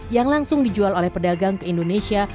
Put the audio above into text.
yang langsung dijual oleh pedagang ke indonesia